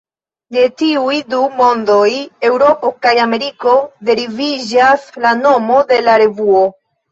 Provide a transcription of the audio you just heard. De tiuj du "mondoj", Eŭropo kaj Ameriko, deriviĝas la nomo de la revuo.